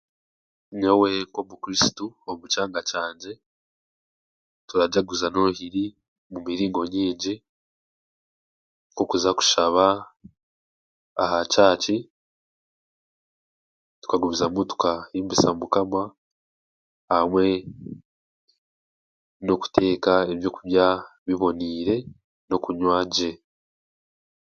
Nyowe nk'omu kristu omu kyanga kyangye turajaguza noohiri omu miringo nyingi nk'okuza kushaba aha kyaaci, tukagumizamu tukahimbisa mukama, hamwe n'okuteeka ebyokurya biboniire, n'okunywa gye.